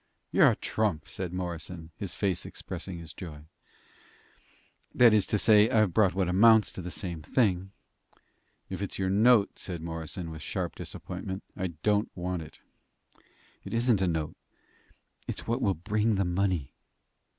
"You're a trump!" said Morrison, his face expressing his joy. "That is to say, I've brought what amounts to the same thing." "If it's your note," said Morrison, with sharp disappointment, "I don't want it." "It isn't a note. It's what will bring the money."